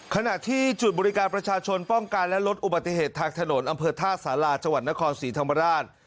ขณะที่จุดบริการประชาชนป้องกันและลดอุบัติเหตุทางถนนอำเภอท่าสาราจังหวัดนครศรีธรรมราช